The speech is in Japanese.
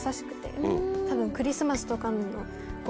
たぶんクリスマスとかの。